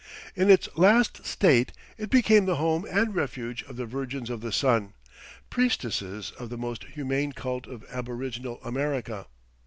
In its last state it became the home and refuge of the Virgins of the Sun, priestesses of the most humane cult of aboriginal America.